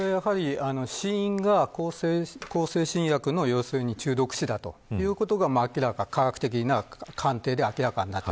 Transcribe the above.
死因が向精神薬の中毒死だということが科学的な鑑定で明らかになった。